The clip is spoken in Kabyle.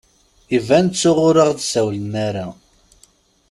Iban ttuɣ ur ɣ-d-sawlen ara.